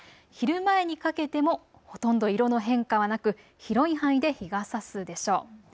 昼前にかけてもほとんど色の変化はなく広い範囲で日がさすでしょう。